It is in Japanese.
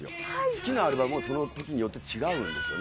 好きなアルバムもその日によって違うんです。